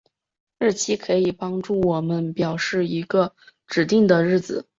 日期可以帮助我们表示一个指定的日子。